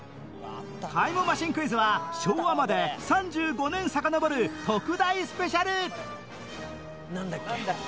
タイムマシンクイズは昭和まで３５年さかのぼる特大スペシャルなんだっけ？